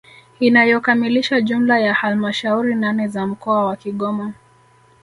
inayokamilisha jumla ya halmashauri nane za mkoa wa Kigoma